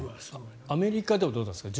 アメリカではどうだったんですか？